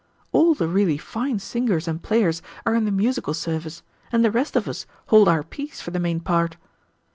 All the really fine singers and players are in the musical service, and the rest of us hold our peace for the main part.